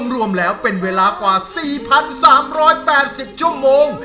รวมแล้วเป็นเวลากว่า๔๓๘๐ชั่วโมง